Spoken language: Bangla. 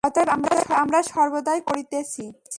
অতএব আমরা সর্বদাই কর্ম করিতেছি।